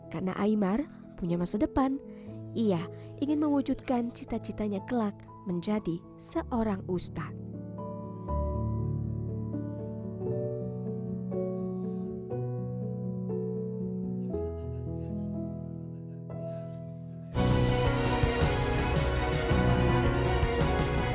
karena imar punya masa depan ia ingin mewujudkan cita citanya kelak menjadi seorang ustadz